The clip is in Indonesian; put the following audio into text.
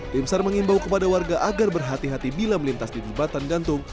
tim sar mengimbau kepada warga agar berhati hati bila melintas di jembatan gantung